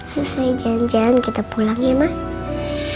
selesai jalan jalan kita pulang ya emang